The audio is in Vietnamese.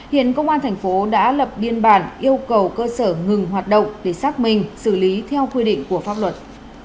hiện công an thành phố đã lập biên bản yêu cầu cơ sở ngừng hoạt động để xác minh xử lý theo quy định của pháp luật